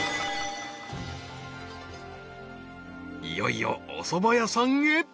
［いよいよおそば屋さんへ］